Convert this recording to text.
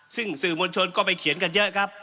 ซึ่งสื่อมวลชนก็ไปเขียนกันเยอะครับ